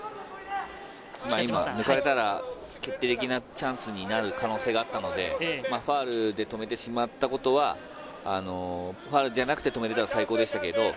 今、抜かれたら決定的なチャンスになる可能性があったので、ファウルで止めてしまったことは、ファウルじゃなくて止められたら最高でしたけど。